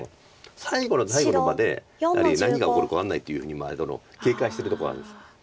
最後の最後までやはり何が起こるか分かんないっていうふうに警戒してるとこあるんです。